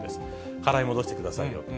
払い戻してくださいよと。